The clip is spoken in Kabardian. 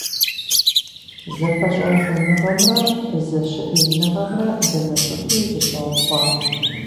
ЗэпэщӀэувэныгъэмрэ зэщыӀеиныгъэмрэ дэнэ щӀыпӀи зыщаубгъуат.